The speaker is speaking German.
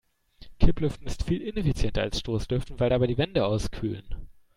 Kipplüften ist viel ineffizienter als Stoßlüften, weil dabei die Wände auskühlen.